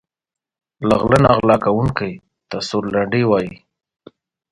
له غله نه غلا کونکي ته سورلنډی وايي.